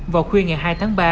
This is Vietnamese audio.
vào khuya ngày hai tháng ba